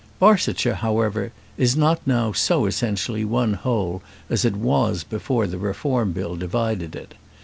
Barsetshire, however, is not now so essentially one whole as it was before the Reform Bill divided it.